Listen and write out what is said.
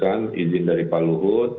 kita akan menggunakan izin dari pak luhut